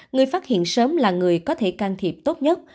người phát hiện sớm là người có thể can thiệp tốt nhất